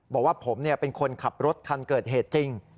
บอกว่าผมเป็นคนขับรถคันเกิดเหตุจริง